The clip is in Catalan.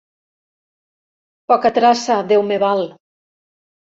Poca traça, Déu me val.